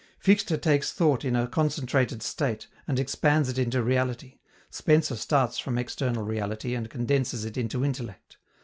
Fichte takes thought in a concentrated state, and expands it into reality; Spencer starts from external reality, and condenses it into intellect.